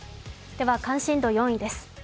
関心度４位です。